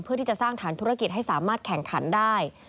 เพื่อที่จะสร้างฐานธุรกิจให้สามารถแข่งขันได้